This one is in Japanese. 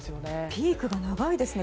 ピークが長いですね。